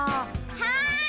はい！